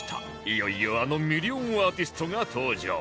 いよいよあのミリオンアーティストが登場